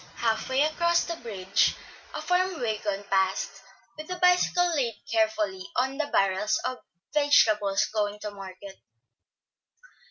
Half way across the bridge a farm wagon passed, with a bicycle laid carefully on the barrels of vegetables going to market.